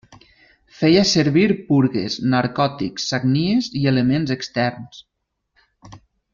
Feia servir purgues, narcòtics, sagnies i elements externs.